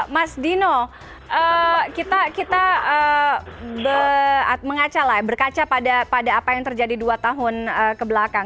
mas dino kita berkaca pada apa yang terjadi dua tahun kebelakang